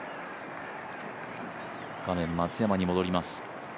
画面、松山に戻ります。